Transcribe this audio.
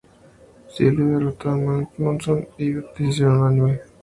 Sylvia derrotó a Monson por decisión unánime.